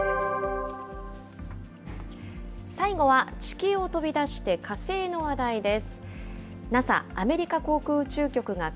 最後は地球を飛び出して火星の話題です。